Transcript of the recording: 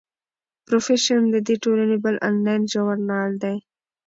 پروفیشن د دې ټولنې بل انلاین ژورنال دی.